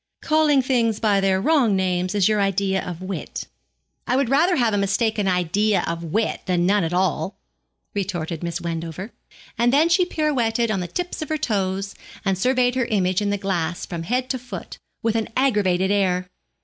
'Calling things by their wrong names is your idea of wit.' 'I would rather have a mistaken idea of wit than none at all,' retorted Miss Wendover, and then she pirouetted on the tips of her toes, and surveyed her image in the glass from head to foot, with an aggravated air.